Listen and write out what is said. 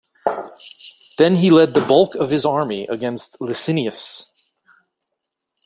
Then he led the bulk of his army against Licinius.